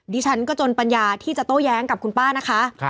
ฉันก็จนปัญญาที่จะโต้แย้งกับคุณป้านะคะ